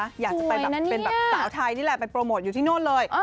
สวยนะเนี่ยอยากจะเป็นแบบสาวไทยนี่แหละไปโปรโมทอยู่ที่โน่นเลย